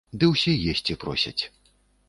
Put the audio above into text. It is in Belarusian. Ды ўсе есці просяць.